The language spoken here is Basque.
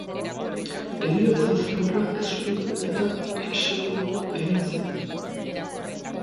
Heriotza zigorra esleitu eta exekutatu egin zuten.